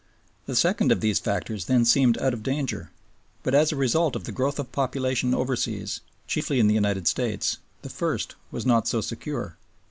The second of these factors then seemed out of danger, but, as a result of the growth of population overseas, chiefly in the United States, the first was not so secure.